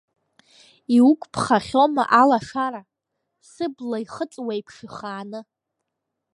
Иуқәԥхахьоума алашара, Сыбла ихыҵуеиԥш ихааны?